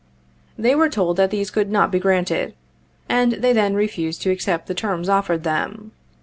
They were told these could not be granted, and they then refused to accept the terms offered them.